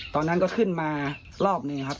ตอนนั้นก็ขึ้นมารอบหนึ่งครับ